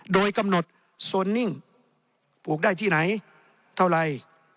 โดยกำหนดโซนนิ่งปลูกได้ที่ไหนเท่าไร